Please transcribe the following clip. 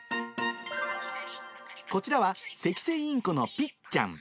こちらはセキセイインコのぴっちゃん。